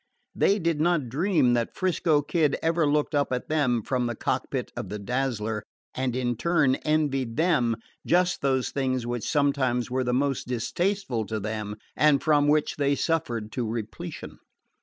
They did not dream that 'Frisco Kid ever looked up at them from the cockpit of the Dazzler and in turn envied them just those things which sometimes were the most distasteful to them and from which they suffered to repletion.